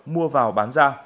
mua vào bán ra